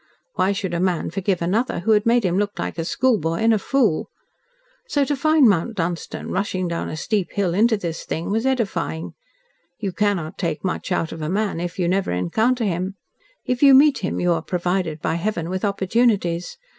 Why should a man forgive another who had made him look like a schoolboy and a fool? So, to find Mount Dunstan rushing down a steep hill into this thing, was edifying. You cannot take much out of a man if you never encounter him. If you meet him, you are provided by Heaven with opportunities.